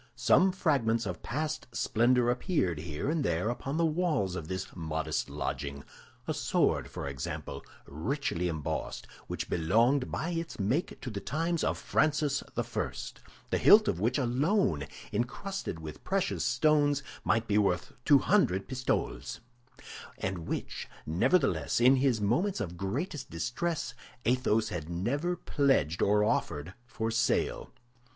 Some fragments of past splendor appeared here and there upon the walls of this modest lodging; a sword, for example, richly embossed, which belonged by its make to the times of Francis I, the hilt of which alone, encrusted with precious stones, might be worth two hundred pistoles, and which, nevertheless, in his moments of greatest distress Athos had never pledged or offered for sale.